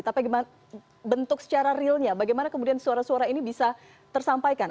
tapi bentuk secara realnya bagaimana kemudian suara suara ini bisa tersampaikan